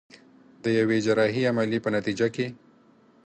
د يوې جراحي عمليې په نتيجه کې.